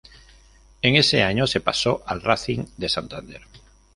En ese año se pasó al Racing de Santander.